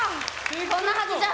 こんなはずじゃ。